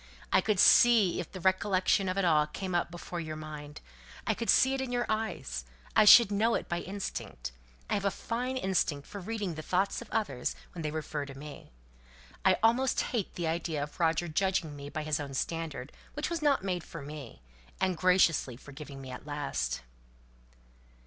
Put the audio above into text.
I could see if the recollection of it all came up before your mind; I could see it in your eyes; I should know it by instinct. I have a fine instinct for reading the thoughts of others when they refer to me. I almost hate the idea of Roger judging me by his own standard, which wasn't made for me, and graciously forgiving me at last."